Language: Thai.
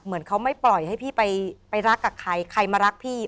เหมือนเขาไม่ปล่อยให้พี่ไปรักกับใครใครมารักพี่